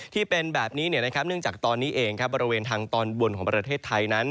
ที่เป็นแบบนี้เนื่องจากตอนนี้เองบริเวณทางตอนบนของประเทศไทยนั้น